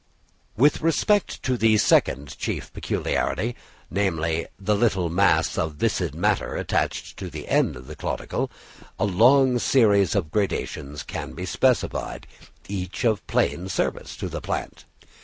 With respect to the second chief peculiarity, namely, the little mass of viscid matter attached to the end of the caudicle, a long series of gradations can be specified, each of plain service to the plant.